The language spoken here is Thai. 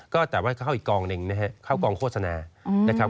ก็แต่ว่าเข้าอีกกองหนึ่งนะครับเข้ากองโฆษณานะครับ